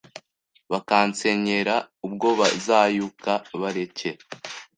Bakansenyera ubwo bazayuka bareke